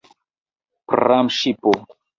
Pramŝipo!